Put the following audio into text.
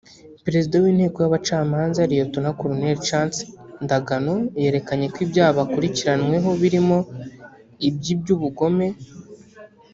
Perezida w’Inteko y’Abacamanza Lt Col Chance Ndagano yerekanye ko ibyaha bakurikiranweho birimo iby’ibyubugome